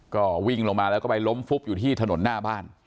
ก็วิ่งลงมาแล้วก็ไปล้มฟุบอยู่ที่ถนนหน้าบ้าน